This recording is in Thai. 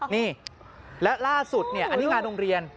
นี่และล่าสุดอันนี้งานโรงเรียน